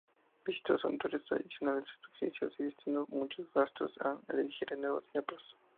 Visitó santuarios tradicionales egipcios y destinó muchos gastos a erigir nuevos templos.